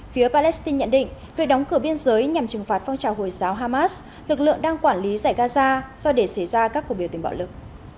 phía palestine nhận định việc đóng cửa biên giới nhằm trừng phạt phong trào hồi giáo hamas lực lượng đang quản lý giải gaza do để xảy ra các cuộc biểu tình bạo lực